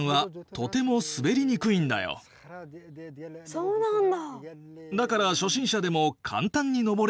そうなんだ。